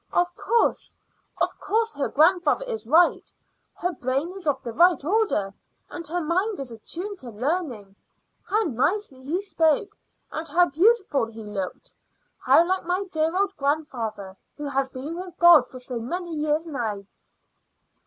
"Of course of course her grandfather is right. Her brain is of the right order, and her mind is attuned to learning. How nicely he spoke, and how beautiful he looked how like my dear old grandfather who has been with God for so many years now."